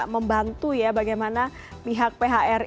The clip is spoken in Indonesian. membantu ya bagaimana pihak phri